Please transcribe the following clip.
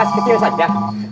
sebelas kecil saja